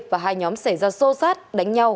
và hai nhóm xảy ra xô xát đánh nhau